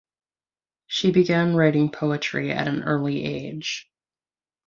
She began writing poetry at an early age.